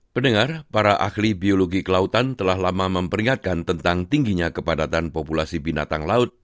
pendengar para ahli biologi kelautan telah lama memperingatkan tentang tingginya kepadatan populasi binatang laut